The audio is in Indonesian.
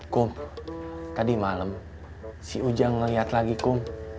kang tadi malam si ujang ngeliat lagi kang